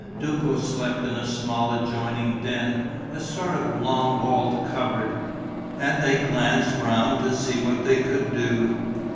Duco slept in a small adjoining den, a sort of long wall cupboard. And they glanced round to see what they could do.